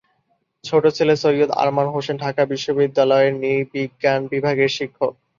ছোট ছেলে সৈয়দ আরমান হোসেন ঢাকা বিশ্ববিদ্যালয়ের নৃবিজ্ঞান বিভাগের শিক্ষক।